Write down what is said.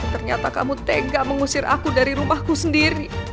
ternyata kamu tegak mengusir aku dari rumahku sendiri